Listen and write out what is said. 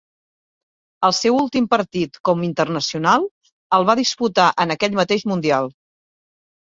El seu últim partit com internacional el va disputar en aquell mateix Mundial.